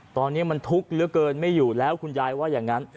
ตอนนี้มันทุกข์เหลือเกินไม่อยู่แล้วคุณยายว่าอย่างนั้น